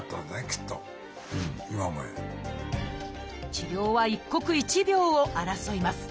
治療は一刻一秒を争います。